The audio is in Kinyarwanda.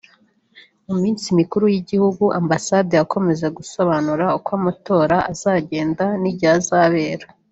mu minsi mikuru y’igihugu Ambasade yakomeje gusobanura uko amatora azagenda n’igihe azabera